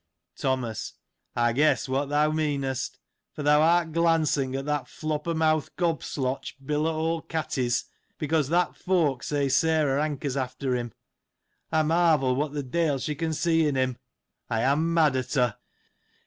Thomas. — I guess what thou meanest, for thou art glancing at that flopper mouth'd gob sloteh,° Bill o' old Katty's, because that folk say Sarah hankers" after him. I marvel what the de'il she can see in him. I am mad at her.